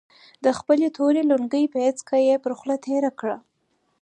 د خپلې تورې لونګۍ پيڅکه يې پر خوله تېره کړه.